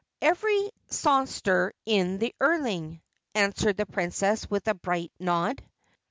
"Every sonestor in the earling," answered the Princess with a bright nod.